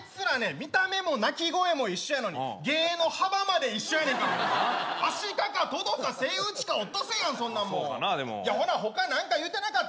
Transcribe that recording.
見た目も鳴き声も一緒やのに芸の幅まで一緒やねんからアシカかトドかセイウチかオットセイやんそんなもんほなほか何か言うてなかった？